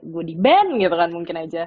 gue di ban gitu kan mungkin aja